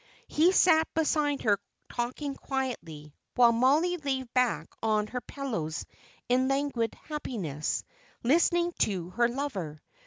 He sat beside her talking quietly, while Mollie lay back on her pillows in languid happiness, listening to her lover.